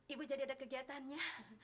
ibu jadi ada kegiatannya